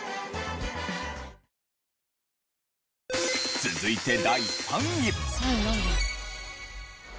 続いて第３位。